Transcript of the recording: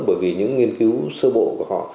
bởi vì những nghiên cứu sơ bộ của họ